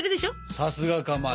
さすがかまど。